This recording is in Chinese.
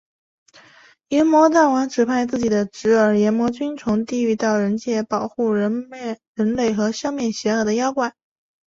阎魔大王指派自己的甥儿炎魔君从地狱到人界保护人类和消灭邪恶的妖怪。